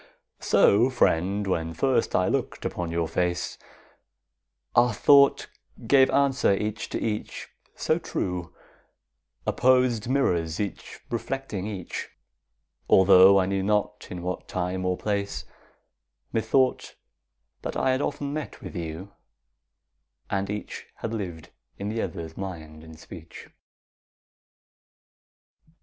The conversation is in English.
So, friend, when first I look'd upon your face, Our thought gave answer each to each, so true— Opposed mirrors each reflecting each— Altho' I knew not in what time or place, Methought that I had often met with you, And each had lived in the other's mind and speech.